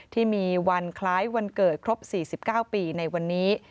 ที่มีวันคล้ายวันเกิดครบ๔๙ปีในวันนี้